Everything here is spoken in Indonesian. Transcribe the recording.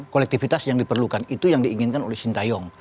kolektivitas yang diperlukan itu yang diinginkan oleh sintayong